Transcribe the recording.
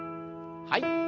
はい。